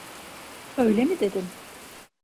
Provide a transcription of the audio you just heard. Öyle mi dedin?